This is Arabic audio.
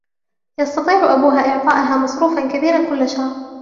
يستطيع أبوها إعطاءها مصروفا كبيرا كل شهر.